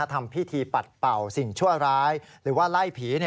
ทำพิธีปัดเป่าสิ่งชั่วร้ายหรือว่าไล่ผี